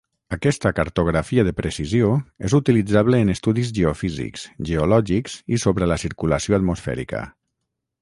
Aquesta cartografia de precisió és utilitzable en estudis geofísics, geològics i sobre la circulació atmosfèrica.